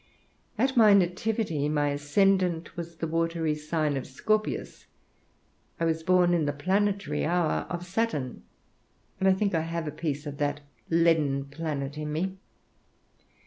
At my nativity my ascendant was the watery sign of Scorpius; I was born in the planetary hour of Saturn, and I think I have a piece of that leaden planet in me.